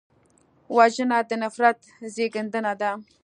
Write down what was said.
وژنه د نفرت زېږنده ده